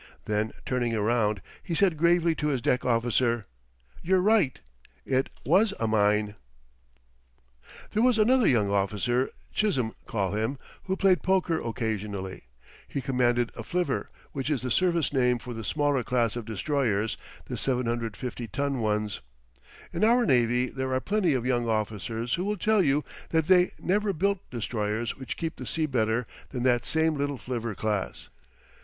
Then, turning around, he said gravely to his deck officer: "You're right it was a mine." There was another young officer Chisholm call him who played poker occasionally. He commanded a flivver, which is the service name for the smaller class of destroyers, the 750 ton ones. In our navy there are plenty of young officers who will tell you that they never built destroyers which keep the sea better than that same little flivver class.